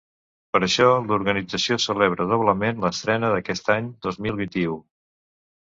Per això, l’organització celebra doblement l’estrena aquest any dos mil vint-i-u.